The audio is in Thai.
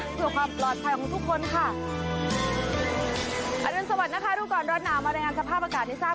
ส่วนความปลอดภัยของทุกคนค่ะสวัสดีนะคะดูก่อนรถหนาวมารายงานสภาพอากาศ